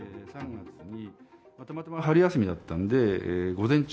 たまたま春休みだったので午前中、